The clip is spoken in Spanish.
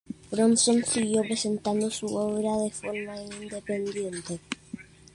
Bronson siguió presentando su obra de forma independiente.